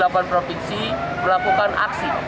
tiga puluh delapan provinsi melakukan aksi